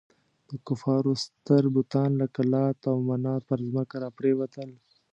د کفارو ستر بتان لکه لات او منات پر ځمکه را پرېوتل.